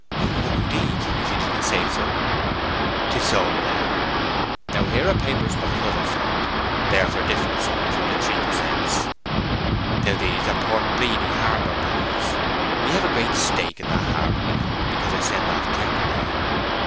"No, indeed, if you didn't say so." "'Tis so, then. Now here are papers of another sort. They are for different sums in the three per cents. Now these are Port Breedy Harbor bonds. We have a great stake in that harbor, you know, because I send off timber there.